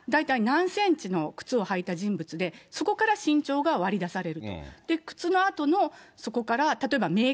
そうすると足形から大体何センチの靴を履いた人物で、そこから身長が割り出される。